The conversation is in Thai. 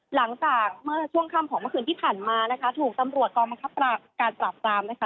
หลังจากเมื่อช่วงค่ำของเมื่อคืนที่ผ่านมานะคะถูกตำรวจกองบังคับการปราบปรามนะคะ